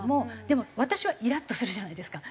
でも私はイラッとするじゃないですか。